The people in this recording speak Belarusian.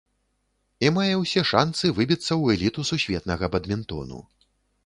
І мае ўсе шанцы выбіцца ў эліту сусветнага бадмінтону.